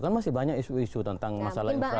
kan masih banyak isu isu tentang masalah infrastruktur